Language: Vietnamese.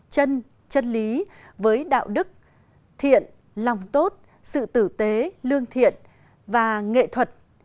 chân chất lý với đạo đức thiện lòng tốt sự tử tế lương thiện và nghệ thuật